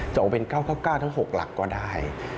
ออกเป็น๙๙ทั้ง๖หลักก็ได้